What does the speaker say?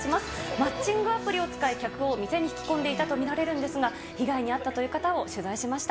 マッチングアプリを使い、客を店に引き込んでいたと見られるんですが、被害に遭ったという方を取材しました。